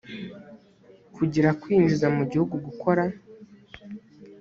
kugira kwinjiza mu gihugu gukora